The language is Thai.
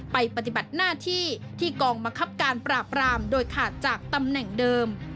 ปฏิบัติหน้าที่ที่กองบังคับการปราบรามโดยขาดจากตำแหน่งเดิม